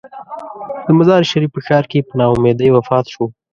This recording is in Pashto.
د مزار شریف په ښار کې په نا امیدۍ وفات شو.